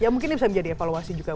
ya mungkin bisa jadi evaluasi juga